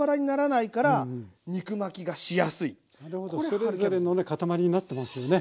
それぞれのね塊になってますよね。